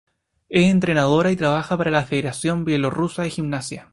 Es entrenadora y trabaja para la Federación Bielorrusa de Gimnasia.